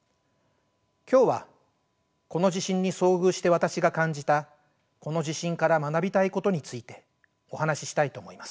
今日はこの地震に遭遇して私が感じたこの地震から学びたいことについてお話ししたいと思います。